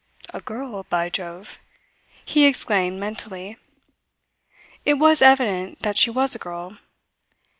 "A girl, by Jove!" he exclaimed mentally. It was evident that she was a girl.